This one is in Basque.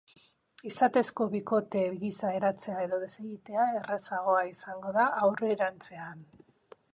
Izatezko bikote gisa eratzea edo desegitea errazagoa izango da aurrerantzean.